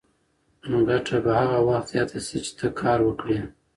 ګټه به هغه وخت زیاته شي چې ته کار وکړې.